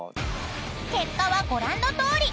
［結果はご覧のとおり］